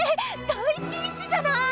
大ピンチじゃない！